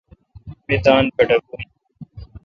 می دان پٹھکون۔